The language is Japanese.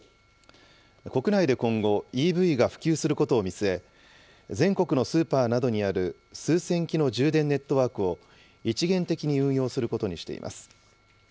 国内で今後、ＥＶが普及することを見据え、全国のスーパーなどにある数千基の充電ネットワークを一元的に運用することにしています。